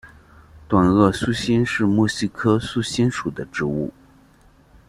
短萼素馨是木犀科素馨属的植物。